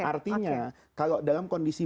artinya kalau dalam kondisi